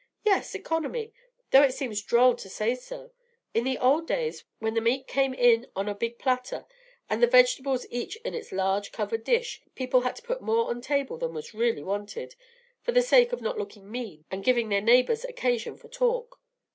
"Yes, economy, though it seems droll to say so. In the old days, when the meat came on in a big platter, and the vegetables each in its large covered dish, people had to put more on table than was really wanted, for the sake of not looking mean and giving their neighbors occasion for talk.